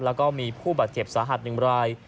แล้วก็มีผู้บาดเจ็บสาหัส๑ราย